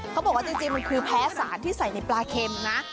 เขาบอกว่าจริงมันคือแพ้สารที่ใส่ในปลาเข็มนะ